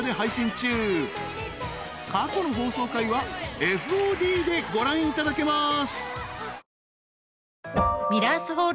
［過去の放送回はＦＯＤでご覧いただけます］